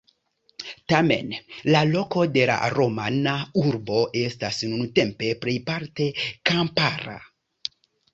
Tamen, la loko de la romana urbo estas nuntempe plejparte kampara.